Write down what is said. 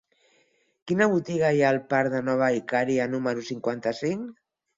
Quina botiga hi ha al parc de Nova Icària número cinquanta-cinc?